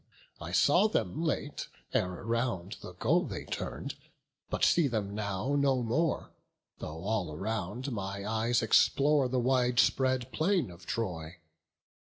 I saw them late, ere round the goal they turn'd, But see them now no more; though all around My eyes explore the wide spread plain of Troy.